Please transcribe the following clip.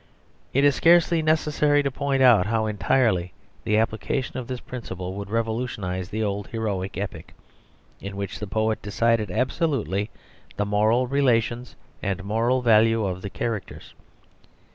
It is scarcely necessary to point out how entirely the application of this principle would revolutionise the old heroic epic, in which the poet decided absolutely the moral relations and moral value of the characters.